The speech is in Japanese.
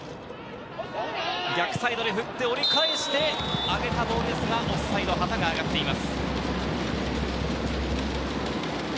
下げて、逆サイドに折り返して、上げたボールですが、オフサイド、旗が上がっています。